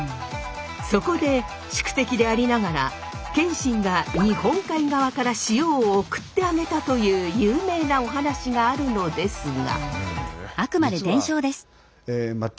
そこで宿敵でありながら謙信が日本海側から塩を送ってあげたという有名なお話があるのですが。